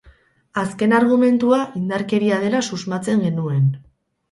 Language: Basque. Azken argumentua indarkeria dela susmatzen genuen.